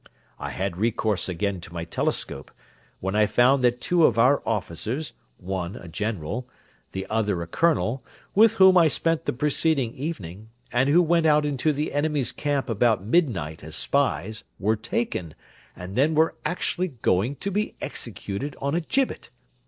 I had recourse again to my telescope, when I found that two of our officers, one a general, the other a colonel, with whom I spent the preceding evening, and who went out into the enemy's camp about midnight as spies, were taken, and then were actually going to be executed on a gibbet.